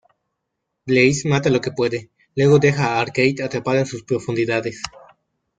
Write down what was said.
Blaze mata lo que puede, luego deja a Arcade atrapado en sus profundidades.